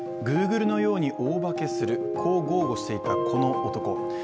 Ｇｏｏｇｌｅのように大化けする、こう豪語していたこの男。